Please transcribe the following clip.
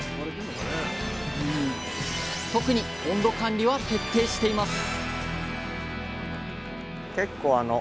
特に温度管理は徹底しています